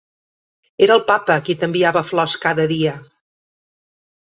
Era el papa qui t'enviava flors cada dia.